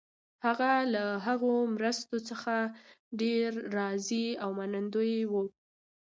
هغه له هغو مرستو څخه ډېر راضي او منندوی وو.